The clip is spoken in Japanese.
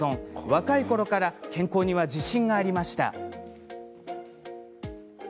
若いころから健康には自信がありました。